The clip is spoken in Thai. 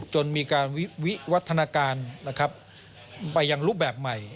จนมีการวิวัฒนาการไปอย่างรูปแบบใหม่